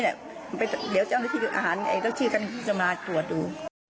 เดี๋ยวจะเอาที่อาหารไหนแล้วที่จะมาตรวจดู